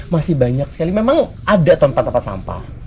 masih banyak sekali memang ada tempat tempat sampah